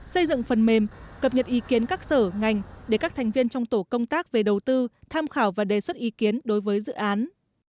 xây dựng phần mềm cập nhật ý kiến các sở ngành để các thành viên trong tổ công tác về đầu tư tham khảo và đề xuất ý kiến đối với dự án